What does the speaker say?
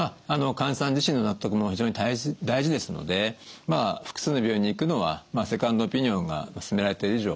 患者さん自身の納得も非常に大事ですので複数の病院に行くのはセカンドオピニオンが勧められてる